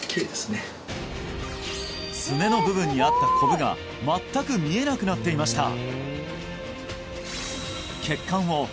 すねの部分にあったコブが全く見えなくなっていました